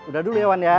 udah dulu ya wan ya